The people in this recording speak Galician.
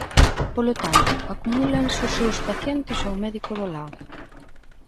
Polo tanto, acumúlanse os seus pacientes ao médico do lado.